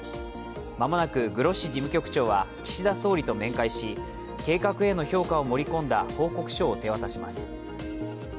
間もなくグロッシ事務局長は岸田総理と面会し、計画への評価を盛り込んだ報告書を手渡します。